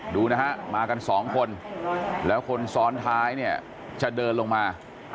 ดูนะฮะมากันสองคนแล้วคนซ้อนท้ายเนี่ยจะเดินลงมา